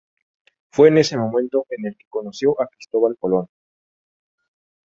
Fue en ese momento en el que conoció a Cristóbal Colón.